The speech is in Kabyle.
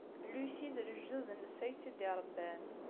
Lucy d lejdud-nnes ay tt-id-iṛebban.